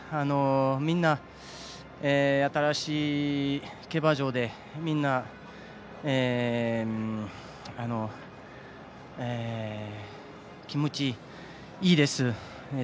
みんな新しい競馬場でみんな、気持ちいいです。